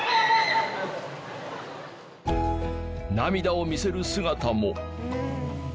涙を見せる姿も。